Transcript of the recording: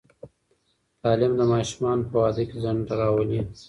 تعلیم د ماشومانو په واده کې ځنډ راولي.